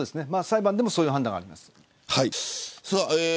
裁判でもそういう判断があります。